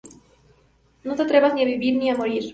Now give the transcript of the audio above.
No te atreves ni a vivir ni a morir".